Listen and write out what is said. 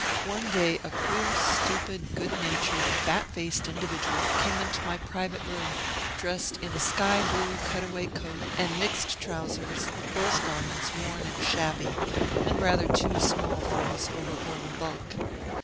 One day, a queer, stupid, good natured, fat faced individual came into my private room, dressed in a sky blue, cut away coat and mixed trousers, both garments worn and shabby, and rather too small for his overgrown bulk.